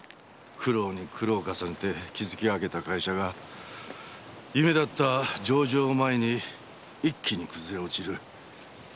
苦労に苦労を重ねて築き上げた会社が夢だった上場を前に一気に崩れ落ちる。